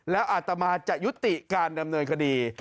แล้วอาตมาจะยุติการดำเนินคดี